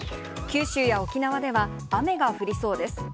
九州や沖縄では雨が降りそうです。